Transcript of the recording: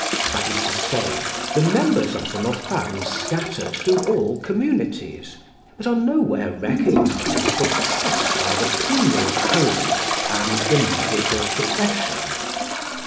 That is to say, the members of them are found scattered through all communities, but are nowhere recognised except by the penal code and the medical profession.